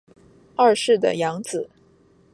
二世的养子。